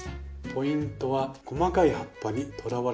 ポイントは細かい葉っぱにとらわれないことです。